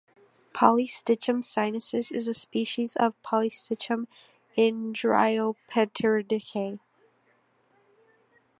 Polystichum sinensis is a species of Polystichum in Dryopteridaceae.